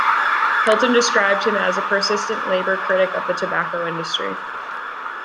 Hilton described him as "a persistent Labour critic of the tobacco industry".